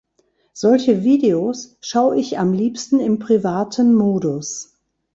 Solche Videos schaue ich am liebsten im privaten Modus.